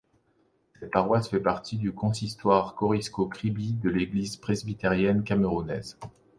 Cette paroisse fait partie du consistoire Corisco-kribi de l’Église presbytérienne camerounaise.